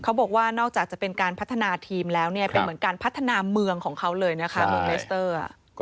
นอกจากจะเป็นการพัฒนาทีมแล้วเนี่ยเป็นเหมือนการพัฒนาเมืองของเขาเลยนะคะเมืองเลสเตอร์